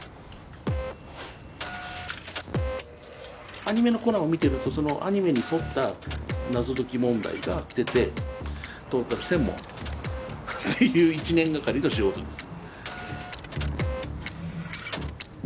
アニメの「コナン」を見てるとそのアニメに添った謎解き問題が出てトータル１，０００問っていう１年がかりの仕事です。